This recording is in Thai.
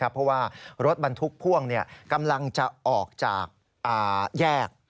เพราะว่ารถบรรทุกพ่วงกำลังจะออกจากแยก